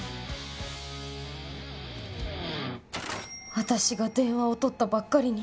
私が電話を取ったばっかりに。